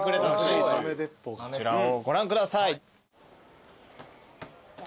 こちらをご覧ください。